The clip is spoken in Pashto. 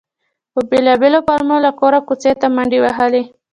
په بېلو پلمو له کوره کوڅې ته منډې وهلې.